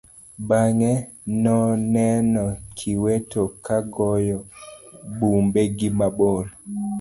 Bang'e noneno kiweto ka goyo bumbe gi mabor.